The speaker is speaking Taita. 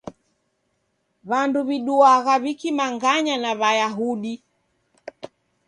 W'andu w'iduagha w'ikimanganya na W'ayahudi!